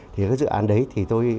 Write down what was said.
thì cái dự án đấy thì tôi